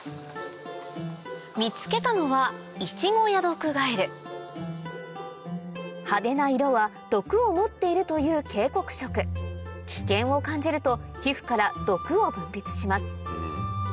見つけたのは派手な色は毒を持っているという警告色危険を感じると皮膚から毒を分泌します